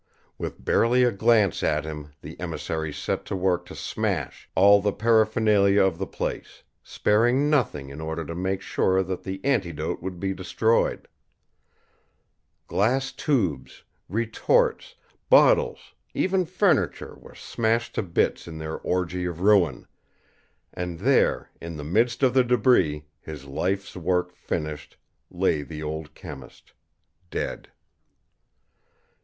With barely a glance at him the emissaries set to work to smash all the paraphernalia of the place, sparing nothing in order to make sure that the antidote would be destroyed. Glass tubes, retorts, bottles, even furniture were smashed to bits in their orgy of ruin and there, in the midst of the debris, his life's work finished, lay the old chemist, dead.